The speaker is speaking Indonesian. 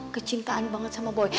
kecintaan banget sama poi